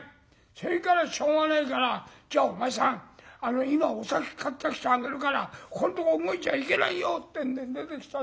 それからしょうがないから『じゃあお前さん今お酒買ってきてあげるからここんとこ動いちゃいけないよ』ってんで出てきたんですけども。